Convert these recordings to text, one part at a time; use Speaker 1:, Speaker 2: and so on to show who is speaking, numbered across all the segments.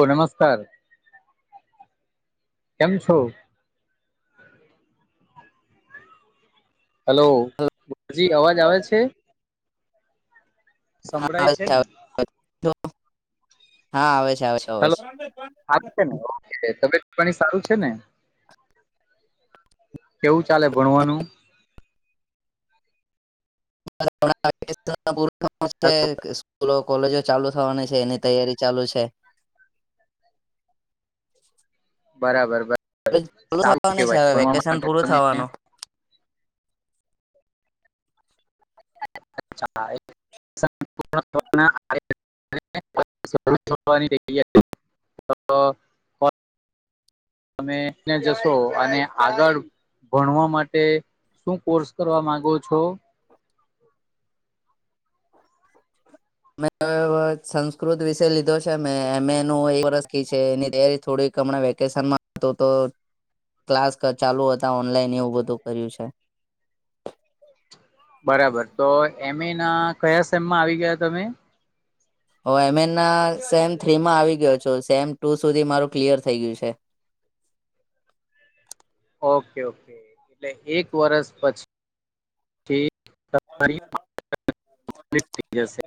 Speaker 1: ઓ નમસ્કાર. કેમ છો? હલો જી અવાજ
Speaker 2: હલો
Speaker 1: આવે છે?
Speaker 2: હા
Speaker 1: સંભળાય
Speaker 2: આવે છે
Speaker 1: ને
Speaker 2: હા આવે છે હલો હા આવે છે આવે છે અવાજ.
Speaker 1: પણ ઓકે તબિયત પાણી સારું છે ને? કેવું ચાલે ભણવાનું?
Speaker 2: [inaudible] સ્કૂલો, કોલેજો ચાલુ થવાની છે એની તૈયારી ચાલુ છે.
Speaker 1: બરાબર બરાબર.
Speaker 2: ચાલુ
Speaker 1: સારું
Speaker 2: થવાની છે
Speaker 1: કેવાય
Speaker 2: હવે
Speaker 1: ભણવા
Speaker 2: વેકેશન
Speaker 1: માટે
Speaker 2: પૂરું
Speaker 1: તમે
Speaker 2: થવાનું
Speaker 1: [inaudible] [inaudible] તો તમે ત્યાં જશો અને આગળ ભણવા માટે શું કોર્સ કરવા માંગો છો?
Speaker 2: મેં અ સંસ્કૃત વિષય લીધો છે મે મેનૂ એક વર્ષ છે એની તૈયારી થોડીક હમણાં વેકેશનમાં તો તો ક્લાસ ચાલુ હતા ઓનલાઈન એવું બધું કર્યું છે.
Speaker 1: બરાબર. તો એમએના કયા સેમમાં આવી ગયા તમે?
Speaker 2: હું એમએના સેમ થ્રી માં આવી ગયો છું. સેમ ટુ સુધી મારું ક્લિયર થઇ ગયું છે.
Speaker 1: Okay okay. એટલે એક વરસ પછ થી તમારી [inaudible]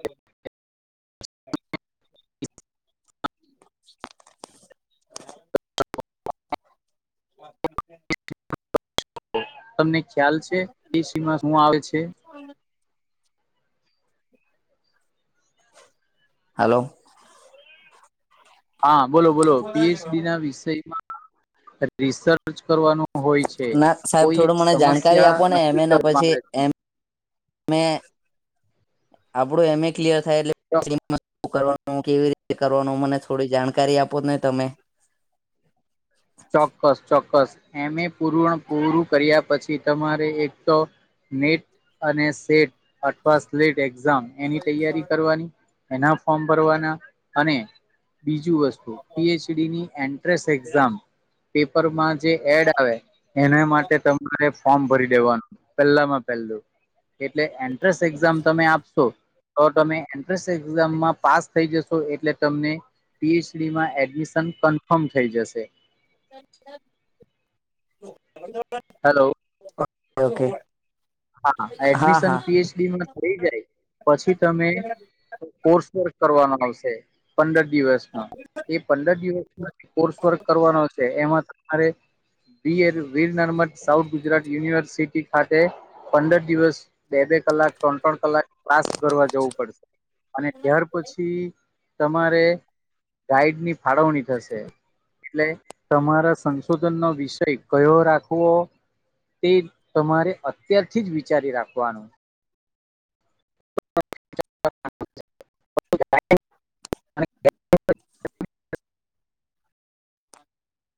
Speaker 2: [inaudible] [inaudible]
Speaker 1: તો તમને ખ્યાલ છે પીસીમાં શું આવે છે?
Speaker 2: હલો
Speaker 1: હા બોલો બોલો પીએચડીના વિષયમાં રિસર્ચ કરવાનું હોય છે.
Speaker 2: ના સાહેબ
Speaker 1: કોઈ એક
Speaker 2: થોડું મને જાણકારી
Speaker 1: સમસ્યા
Speaker 2: આપો એમ
Speaker 1: નક્કી
Speaker 2: એ ના
Speaker 1: કરવા
Speaker 2: પછી
Speaker 1: રેતું.
Speaker 2: એમ ને આપડું એમએ ક્લિયર થાય એટલે
Speaker 1: તો
Speaker 2: [inaudible] શું કરવાનું, કેવી રીતે કરવાનું, મને થોડી જાણકારી આપોને તમે.
Speaker 1: ચોક્કસ ચોક્કસ. એમએ પૂરણ પૂરું કર્યા પછી તમારે એક તો નેટ અને સેટ અથવા સ્લેટ એક્ઝામ એની તૈયારી કરવાની, એના ફોર્મ ભરવાના અને બીજું વસ્તુ પીએચડીની એન્ટ્રન્સ એક્ઝામ. પેપરમાં જે એડ આવે એના માટે તમારે ફોર્મ ભરી દેવાનું પહેલામાં પહેલું. એટલે એન્ટ્રન્સ એક્ઝામ તમે આપશો તો તમે એન્ટ્રન્સ એક્ઝામમાં પાસ થઈ જશો એટલે તમને પીએચડીમાં એડમિશન કન્ફોર્મ થઈ જશે.
Speaker 2: તો મતલબ [inaudible]
Speaker 1: હલો
Speaker 2: ઓ ઓકે
Speaker 1: હા
Speaker 2: હા
Speaker 1: એડમિશન
Speaker 2: હા
Speaker 1: ફીસ થઈ જાય પછી તમે કોર્સ વર્ક કરવાનો આવશે. પંદર દિવસનો એ પંદર દિવસ કોર્સ વર્ક કરવાનો છે એમાં તમારે બી વીર નર્મદ સાઉથ ગુજરાત યુનિવર્સિટી ખાતે. પંદર દિવસ બે બે કલાક, ત્રણ ત્રણ કલાક. પાસ કરવા જવું પડશે. અને ત્યાર પછી તમારે ગાઈડની ફાળવણી થશે. એટલે તમારા સંશોધન નો વિષય કયો રાખવો તે તમારે અત્યારથી જ વિચારી રાખવાનું
Speaker 2: [unintelligible]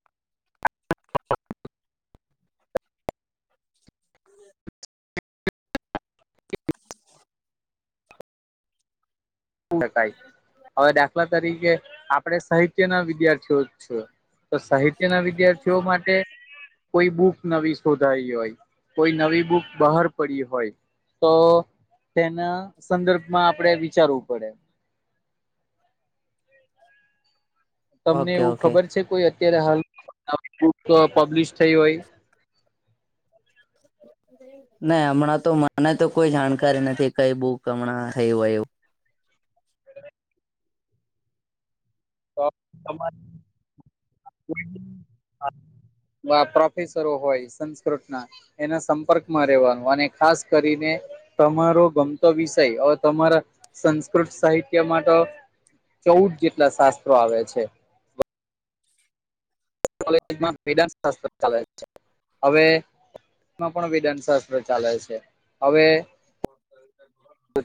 Speaker 1: શ શકાય હવે દાખલા તરીકે આપે સાહિત્ય ના વિદ્યાર્થીઓ તો સાહિત્યના વિદ્યાર્થીઓ માટે કોઈ બુક નવી શોધાઈ હોય કોઈ નવી બુક બહાર પડી હોય તો તેના સંદર્ભમાં આપડે વિચારવું પડે તમને
Speaker 2: ઓકે
Speaker 1: એવું
Speaker 2: ઓકે
Speaker 1: ખબર છે કોઈ અત્યારે હાલ પબ્લિશ થઈ હોય
Speaker 2: નાહી હમણાં તો મને તો કોઈ જાણકારી નથી કઈ બુક હમણાં થયું હોય એવું
Speaker 1: તો તમારે [unintelligible] પ્રોફેસરો હોય સંસ્કૃત ના. એના સંપર્કમાં રહેવાનું અને ખાસ કરીને તમારો ગમતો વિષય હ તમારા સંસ્કૃત સાહિત્ય માતો ચૌદ જેટલા શાસ્ત્રો આવે છે. [unintelligible] શાત્ર ચાલે છે હવે પણ દન શાસ્ત્ર ચાલે છે હવે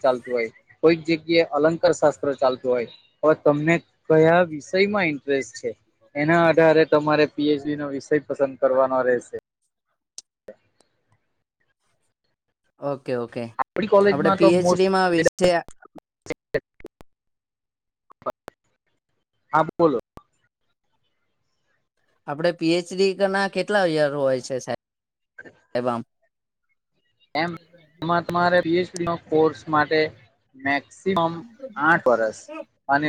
Speaker 1: ચાલતું હોય કોઈક જગ્યાએ અલંકાર શાસ્ત્ર ચાલતું હોય હ તમને કયા વિષયમાં ઇન્ટરેસ્ટ છે એના આધારે તમારે પીએચડી નો વિષય પસંદ કરવાનો રહેશે
Speaker 2: ઓકે ઓકે અ
Speaker 1: આપડી
Speaker 2: આપડ
Speaker 1: કોલેજમાં તો
Speaker 2: પી એચ
Speaker 1: મોસ્ટ
Speaker 2: ડી માં વિશે
Speaker 1: હા બોલો
Speaker 2: આપડે પીએચડી ના કેટલા યર હોય છે સાહેબબ
Speaker 1: એ એમાં તમારે પી એચ ડી ન કોર્સ માટે મેક્સિમમ આઠ વરષ અને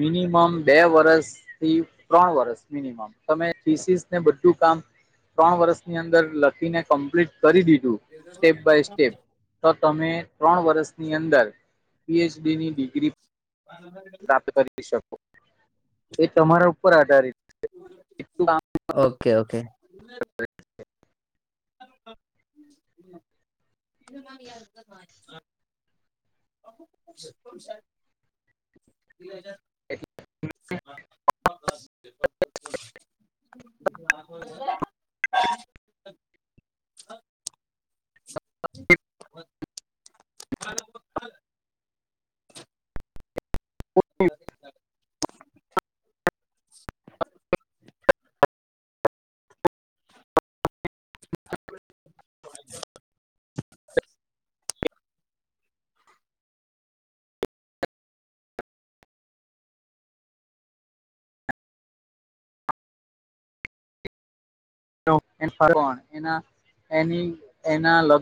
Speaker 1: મિનિમમ બે વરષ થી ત્રણ વર્ષ મિનિમમ તમેીસીસને બધું કામ ત્રણ વર્ષની અંદર લખીને કમ્પ્લીટ કરી દીધું સ્ટેપ બાય સ્ટેપ તો તમે ત્રણ વર્ષની અંદર પીએચડી ની ડિગ્રી
Speaker 2: અ
Speaker 1: પ્રપ કરી શકો એ તમારા ઉપર આધારિત
Speaker 2: ઓકે ઓકે સારુ ચલો જવાન યાદ ના પાણી છે આનું પેમેન્ટ [unintelligible] ચેટલુ સે બે હજાર [inaudible] એવું સે બોલ મારે તો ખરા ને
Speaker 1: હું કેવ [unintelligible]
Speaker 2: [inaudible]
Speaker 1: એવું એન પર કોણ એના એની એના લક